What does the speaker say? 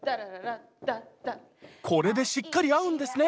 これでしっかり合うんですね！